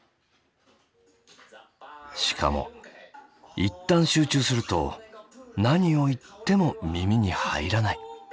しかも一旦集中すると何を言っても耳に入らない。